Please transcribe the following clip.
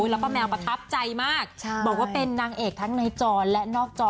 แล้วก็แมวประทับใจมากบอกว่าเป็นนางเอกทั้งในจอและนอกจอ